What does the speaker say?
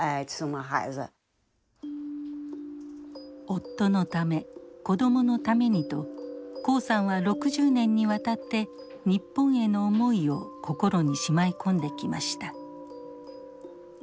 夫のため子どものためにと黄さんは６０年にわたって日本への思いを心にしまい込んできました。